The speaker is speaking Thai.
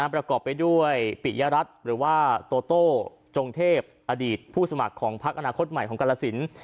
ประกอบไปด้วยปิยรัฐหรือว่าโตโต้จงเทพอดีตผู้สมัครของพักอนาคตใหม่ของกรสิน